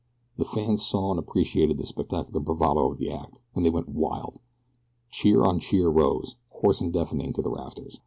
The fans saw and appreciated the spectacular bravado of the act, and they went wild. Cheer on cheer rose, hoarse and deafening, to the rafters.